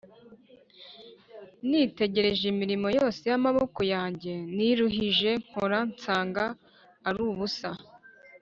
Nitegereza imirimo yose yamaboko yanjye niruhije nkora nsanga arubusa